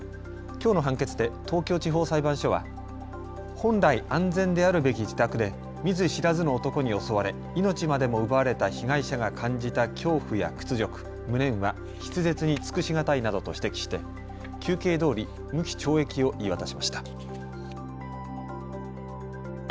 きょうの判決で東京地方裁判所は本来、安全であるべき自宅で見ず知らずの男に襲われ命までも奪われた被害者が感じた恐怖や屈辱、無念は筆舌に尽くし難いなどと指摘して求刑どおり無期懲役を言い渡しました。